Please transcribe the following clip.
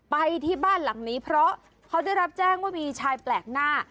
ไปที่บ้านหลังนี้เพราะเขาได้รับแจ้งว่ามีชายแปลกหน้า